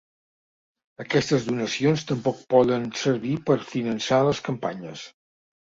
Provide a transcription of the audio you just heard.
Aquestes donacions tampoc poden servir per finançar les campanyes.